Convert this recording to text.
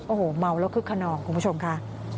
โอ้โหเมาแล้วคึกขนองคุณผู้ชมค่ะ